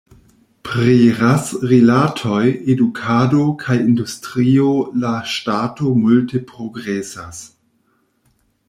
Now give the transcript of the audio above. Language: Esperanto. Pri ras-rilatoj, edukado kaj industrio, la ŝtato multe progresas.